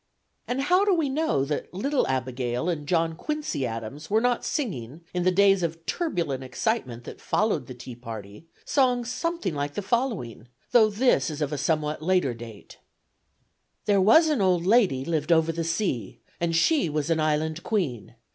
And how do we know that little Abigail and John Quincy Adams were not singing, in the days of turbulent excitement that followed the Tea Party, songs something like the following, though this is of a somewhat later date: There was an old lady lived over the sea, And she was an Island Queen.